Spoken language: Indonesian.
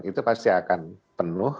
itu pasti akan penuh